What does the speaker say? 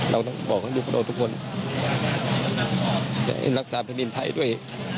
เราต้องบอกเรื่องพลบทุกคนยังได้รักษาประดิษฐ์ไทยด้วย